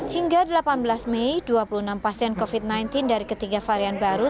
hingga delapan belas mei dua puluh enam pasien covid sembilan belas dari ketiga varian baru